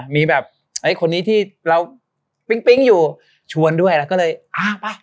มีแบบไอ้คนนี้ที่เราปิ๊งปิ๊งอยู่ชวนด้วยแล้วก็เลยอ้าวไป